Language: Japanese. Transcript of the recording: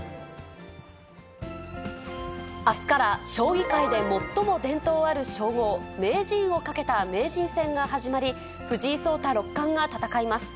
あすから将棋界で最も伝統ある称号、名人を懸けた名人戦が始まり、藤井聡太六冠が戦います。